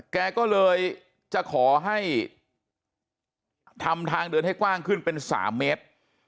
แกก็เลยจะขอให้ทำทางเดินให้กว้างขึ้นเป็น๓เมตร